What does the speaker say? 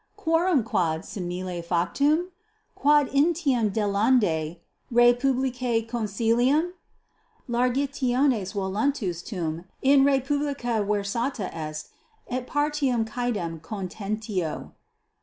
Quorum quod simile factum? quod initum delendae rei publicae consilium? Largitionis voluntas tum in re publica versata est et partium quaedam contentio.